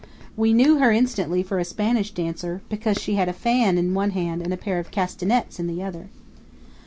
We knew her instantly for a Spanish dancer, because she had a fan in one hand and a pair of castanets in the other.